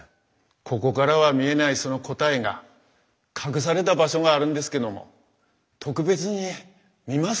ここからは見えないその答えが隠された場所があるんですけども特別に見ますか？